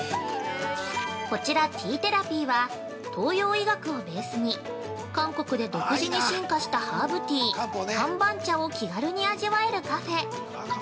◆こちらティーテラピーは東洋医学をベースに韓国で独自に進化したハーブティー韓方茶を気軽に味わえるカフェ。